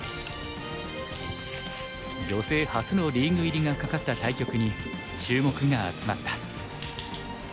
女性初のリーグ入りが懸かった対局に注目が集まった。